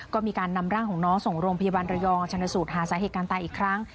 ก็มีการนำร่างของน้องส่งโรงพยาบาลระยองชนสูตรหาสาเหตุการณ์ตายอีกครั้ง